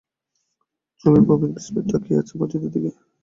চোখে গভীর বিস্ময় নিয়ে তাকিয়ে আছে মজিদের দিকে।